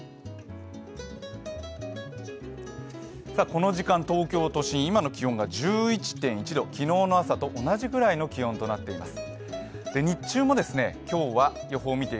この時間、東京都心、今の気温が１１．１度、昨日の朝と同じくらいの気温となっています。